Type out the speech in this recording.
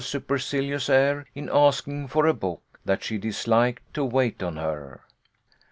supercilious air in asking for a book, that she dis liked to wait on her.